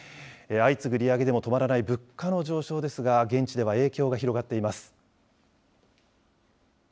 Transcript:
相次ぐ利上げでも止まらない物価の上昇ですが、現地では影響が広がっています。